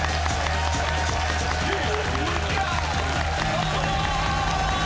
どうも！